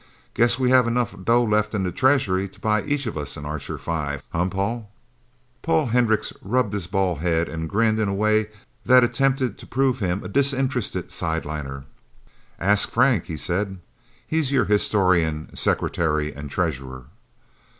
Guess we have enough dough left in the treasury to buy us each an Archer Five, huh, Paul?" Paul Hendricks rubbed his bald head and grinned in a way that attempted to prove him a disinterested sideliner. "Ask Frank," he said. "He's your historian secretary and treasurer."